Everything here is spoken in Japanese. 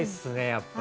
やっぱり。